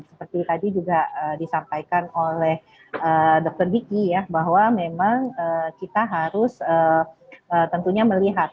seperti tadi juga disampaikan oleh dr diki ya bahwa memang kita harus tentunya melihat